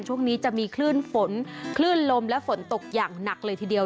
ช่วงนี้จะมีคลื่นฝนคลื่นลมและฝนตกอย่างหนักเลยทีเดียว